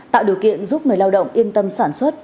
tạo điều kiện giúp người lao động yên tâm sản xuất